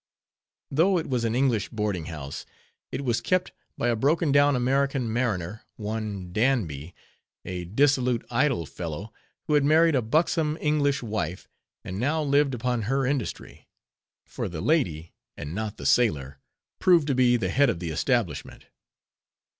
Though it was an English boarding house, it was kept by a broken down American mariner, one Danby, a dissolute, idle fellow, who had married a buxom English wife, and now lived upon her industry; for the lady, and not the sailor, proved to be the head of the establishment.